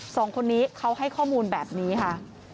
สองคนนี้เขาให้ข้อมูลแบบนี้ค่ะ